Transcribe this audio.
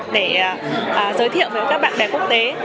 để giới thiệu với các bạn đẻ quốc tế